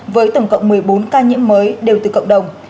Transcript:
với tổng cộng một mươi bốn ca nhiễm mới đều từ cộng đồng